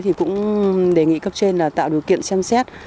thì cũng đề nghị cấp trên là tạo điều kiện xem xét